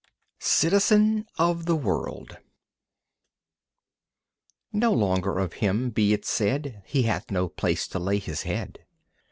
Citizen of the World No longer of Him be it said "He hath no place to lay His head."